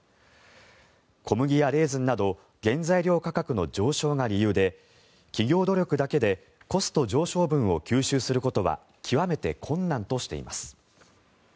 小麦やレーズンなど原材料価格の上昇が理由で企業努力だけでコスト上昇分を吸収することは極めて困難としています。